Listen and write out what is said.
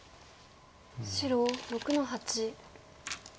白６の八。